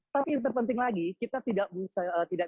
tapi yang terpenting lagi kita tidak bisa